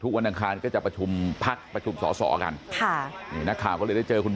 ทุกวันทางคลานจะประชุมพักประชุมสอกัน